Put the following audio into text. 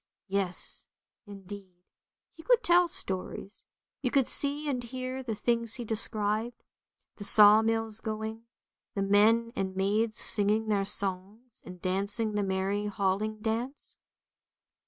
Yes, indeed, he could tell stories, you could see and hear the things he described ; the sawmills going, the men and maids singing their songs and dancing the merry Hailing dance.